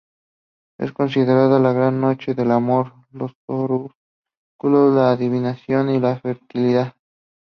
Es considerada la gran noche del amor, los oráculos, la adivinación y la fertilidad.